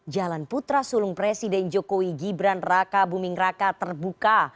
jalan putra sulung presiden jokowi gibran raka buming raka terbuka